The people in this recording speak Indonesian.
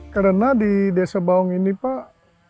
karena di desa baung ini pak